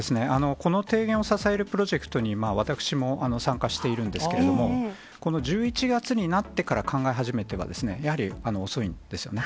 この提言を支えるプロジェクトに私も参加しているんですけれども、この１１月になってから考え始めては、やはり遅いんですよね。